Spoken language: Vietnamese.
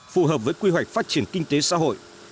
phù hợp với quy hoạch phát triển kinh tế xã hội